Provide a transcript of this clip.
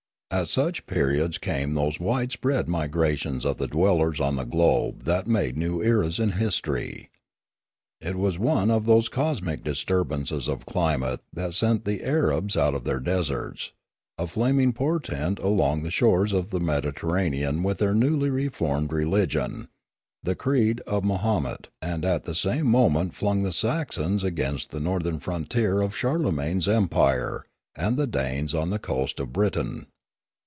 At such periods came those wide spread migrations of the dwellers on the globe that made new eras in history. It was one of those cosmic disturb ances of climate that sent the Arabs out of their deserts, a flaming portent along the shores of the Mediterranean with their newly reformed religion, the creed of Ma homet, and at the same moment flung the Saxons against the northern frontier of Charlemagne's empire, and the Danes on the coast of Britain.